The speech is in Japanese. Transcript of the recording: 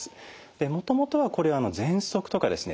もともとはこれはぜんそくとかですね